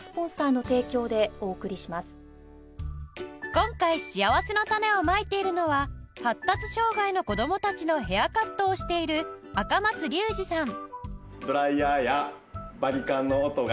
今回しあわせのたねをまいているのは発達障害の子供たちのヘアカットをしている赤松隆滋さん